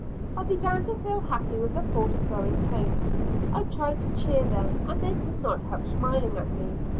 I began to feel happy with the thought of going home. I tried to cheer them, and they could not help smiling at me.